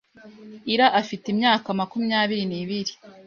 Ira afite imyaka makumyabiri nibiri